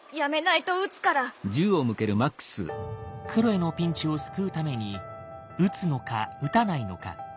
クロエのピンチを救うために撃つのか撃たないのか。